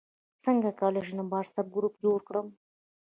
څنګه کولی شم د واټساپ ګروپ جوړ کړم